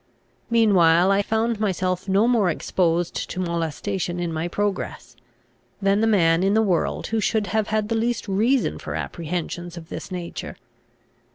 Meanwhile I found myself no more exposed to molestation in my progress, than the man in the world who should have had the least reason for apprehensions of this nature.